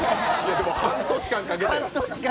でも半年間かけて。